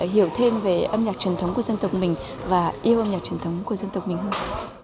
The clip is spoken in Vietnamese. hiểu thêm về âm nhạc truyền thống của dân tộc mình và yêu âm nhạc truyền thống của dân tộc mình hơn